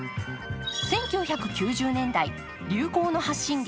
１９９０年代、流行の発信源